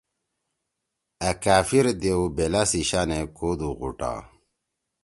أ کأفِر دیؤ بیلأ سی شانے کودُو غوٹا